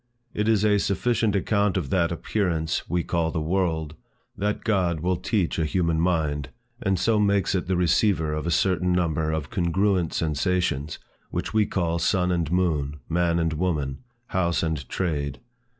It is a sufficient account of that Appearance we call the World, that God will teach a human mind, and so makes it the receiver of a certain number of congruent sensations, which we call sun and moon, man and woman, house and trade.